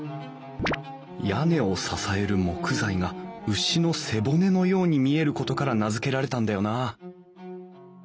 屋根を支える木材が牛の背骨のように見えることから名付けられたんだよなあ